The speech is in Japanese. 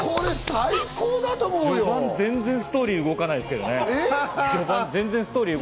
序盤、全然ストーリー動かないですけどね。